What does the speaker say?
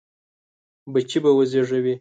بچي به وزېږوي.